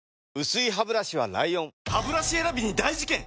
薄いハブラシは ＬＩＯＮハブラシ選びに大事件！